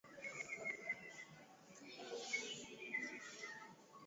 kulivuruga kwelikweli Amefungia magazeti Akiwa waziri amepitisha sheria ya mbovu ya Huduma ya Vyombo